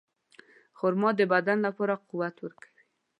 خرما د بدن لپاره قوت ورکوي.